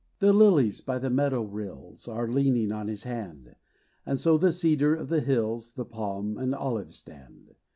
The lilies by the meadow rills Are leaning on his hand; And so the cedar of the hills, The palm and olive stand.